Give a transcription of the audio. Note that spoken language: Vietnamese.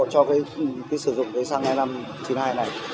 cho sử dụng xăng e năm ron chín mươi hai này